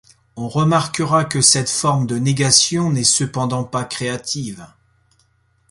On remarquera que cette forme de négation n'est cependant pas créative.